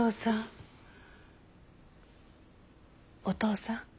お父さん。